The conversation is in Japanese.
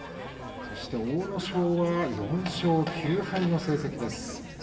阿武咲は４勝９敗の成績です。